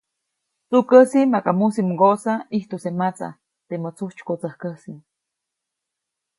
‒Tsukäsi maka mujsi mgoʼsa ʼijtuse matsa, temä tsujtsykotsäjkäsi-.